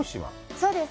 そうです。